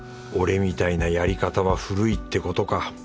俺みたいなやり方は古いってことか